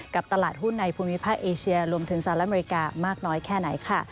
กับตลาดหุ้นในภูมิภาคเอเชียรวมถึงสหรัฐอเมริกามากน้อยแค่ไหนค่ะ